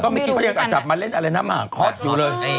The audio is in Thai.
ก็เมื่อกี้เขายังอาจจะมาเล่นอะไรนะหมากฮอตอยู่เลย